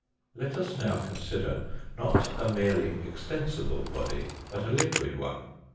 Let us now consider, not a merely extensible body, but a liquid one.